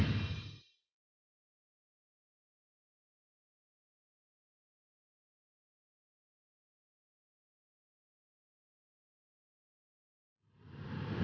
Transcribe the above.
penuh dengan kebahagiaan